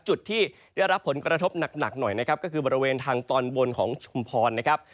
จุดที่ได้รับผลกระทบหนักหน่อยนะครับก็คือบริเวณทางตอนบนของชุมพรนะครับ